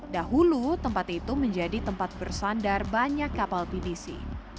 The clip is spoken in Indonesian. dahulu tempat itu menjadi tempat bersandar banyak kapal pinisi